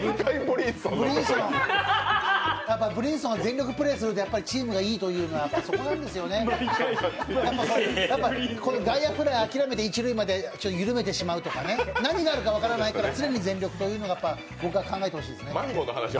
ブリンソンが全力プレーするとチームがいいっていうのはそこなんですよね、やっぱ外野フライ諦めて一塁にするとかね、何があるか分からないから、常に全力というのは、僕は考えてほしいですね。